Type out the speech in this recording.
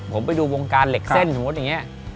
ผมไปดูวงการเหล็กเส้นสมมุติอย่างนี้